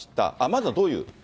まずはどういう？